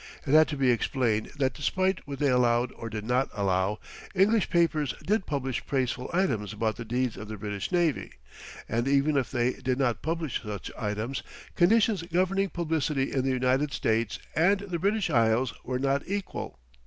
It had to be explained that despite what they allowed or did not allow, English papers did publish praiseful items about the deeds of the British navy; and even if they did not publish such items, conditions governing publicity in the United States and the British Isles were not equal.